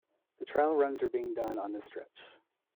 The Trial Runs are being done on this stretch.